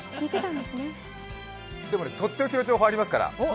でもとっておきの情報ありますから。